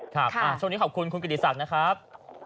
ช่วงนี้ขอบคุณคุณกิติศักดิ์นะครับ